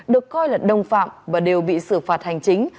được coi là đồng phạm và đều bị xử phạt hành chính